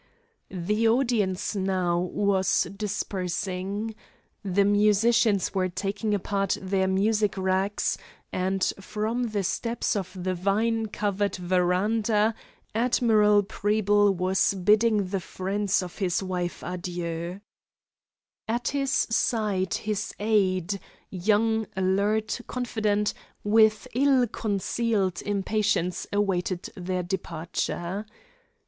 The audience now was dispersing. The nurse maids had collected their charges, the musicians were taking apart their music racks, and from the steps of the vine covered veranda Admiral Preble was bidding the friends of his wife adieu. At his side his aide, young, alert, confident, with ill concealed impatience awaited their departure.